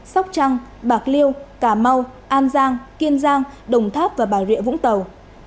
sóc trăng bạc liêu cà mau an giang kiên giang đồng tháp và bà rịa vũng tàu